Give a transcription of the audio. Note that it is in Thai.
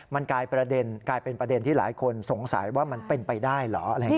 มันกลายเป็นประเด็นที่หลายคนสงสัยว่ามันเป็นไปได้เหรอ